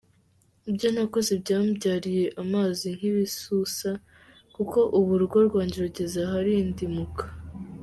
Ibyo nakoze byambyariye amazi nk’ibisusa kuko ubu urugo rwanjye rugeze aharindimuka.